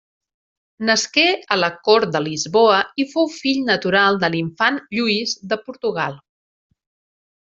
Nasqué a la cort de Lisboa i fou fill natural de l'infant Lluís de Portugal.